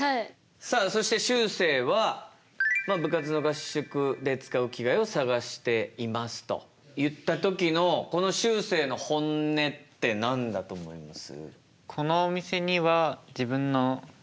さあそしてしゅうせいは「部活の合宿でつかう着がえをさがしています」と言った時のこのしゅうせいの本音って何だと思います？